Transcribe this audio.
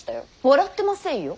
笑ってませんよ。